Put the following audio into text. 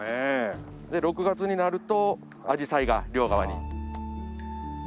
６月になるとアジサイが両側に。